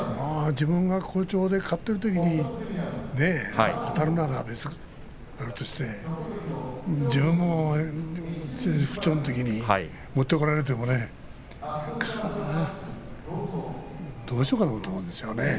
自分が好調で勝っているときに当たるなら別として自分が不調なときに持ってこられてもねどうしようかと思いますよね。